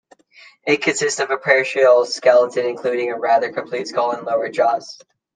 It consists of a partial skeleton including a rather complete skull and lower jaws.